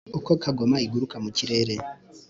uko kagoma iguruka mu kirere